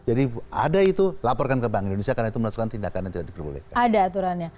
jadi ada itu laporkan ke bank indonesia karena itu melaksukkan tindakan yang tidak diperbolehkan